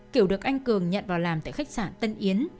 kiểu được anh cường nhận vào làm tại khách sạn tân yến